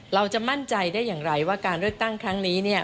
เราจะมั่นใจได้อย่างไรว่าการเลือกตั้งครั้งนี้เนี่ย